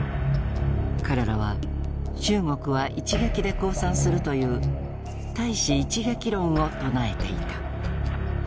彼らは中国は一撃で降参するという「対支一撃論」を唱えていた。